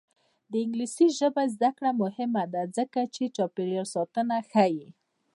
د انګلیسي ژبې زده کړه مهمه ده ځکه چې چاپیریال ساتنه ښيي.